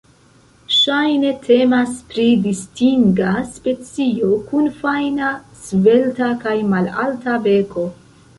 Ŝajne temas pri distinga specio, kun fajna, svelta kaj malalta beko.